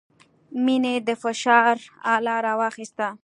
مينې د فشار اله راواخيسته.